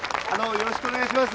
よろしくお願いします。